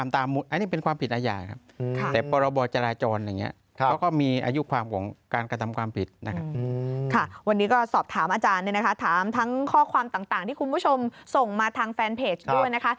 ถามทั้งข้อความต่างที่คุณผู้ชมส่งมาทางแฟนเพจด้วยนะคะ